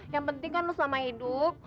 yang penting kan selama hidup